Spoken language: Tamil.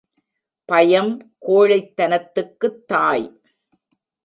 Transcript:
பயம் கோழைத்தனத்துக்குத் தாய்!